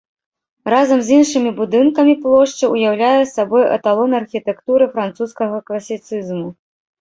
Разам з іншымі будынкамі плошчы ўяўляе сабой эталон архітэктуры французскага класіцызму.